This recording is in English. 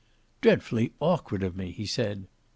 "Dreadfully awkward of me!" he said.